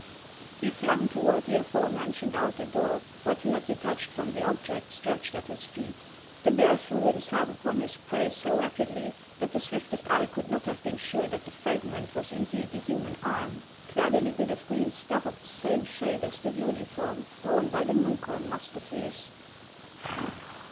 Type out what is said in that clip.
'' He flung toward the aforementioned outer door what he had detached from the object stretched at his feet. The bear threw himself upon his prey so rapidly that the swiftest eye could not have been sure that the fragment was indeed a human arm, clad in a bit of green stuff of the same shade as the uniform worn by the Munkholm musketeers.